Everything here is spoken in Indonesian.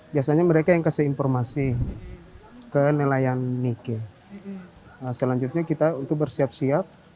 biasanya mereka yang kasih informasi ke nelayan nike selanjutnya kita untuk bersiap siap